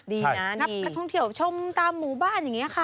ดีนะนักท่องเที่ยวชมตามหมู่บ้านอย่างนี้ค่ะ